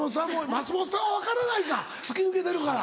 松本さんは分からないか突き抜けてるから。